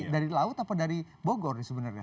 dari laut apa dari bogor sebenarnya